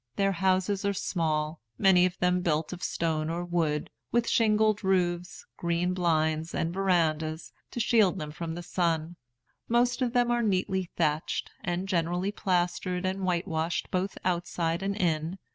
The houses are small, many of them built of stone or wood, with shingled roofs, green blinds, and verandahs, to shield them from the sun. Most of them are neatly thatched, and generally plastered and whitewashed both outside and in.